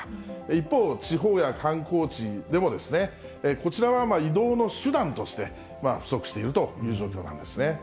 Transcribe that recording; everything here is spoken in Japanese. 一方、地方や観光地でも、こちらは移動の手段として不足しているという状況なんですね。